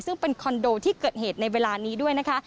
ซึ่งเป็นคอนโดที่เกิดเหตุในเวลานี้ด้วยนะคะ